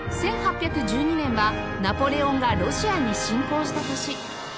１８１２年はナポレオンがロシアに侵攻した年